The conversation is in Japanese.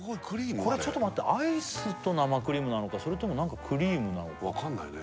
あれこれちょっと待ってアイスと生クリームなのかそれともなんかクリームなのか分かんないね